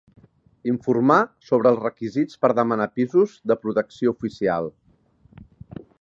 Informar sobre els requisits per demanar pisos de protecció oficial.